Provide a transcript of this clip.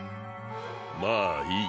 まあいい。